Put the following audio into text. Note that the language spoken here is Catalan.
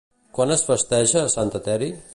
Quan es festeja a Sant Eteri?